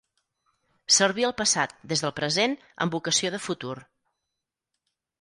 Servir el passat, des del present, amb vocació de futur.